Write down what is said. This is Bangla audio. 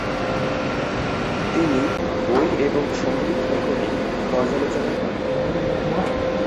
তিনি বই এবং সঙ্গীত রেকর্ডিং পর্যালোচনা করেন।